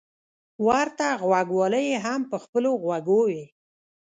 ورته غوږوالۍ يې هم په خپلو غوږو وې.